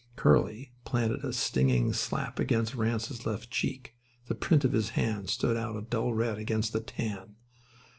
Curly planted a stinging slap against Ranse's left cheek. The print of his hand stood out a dull red against the tan.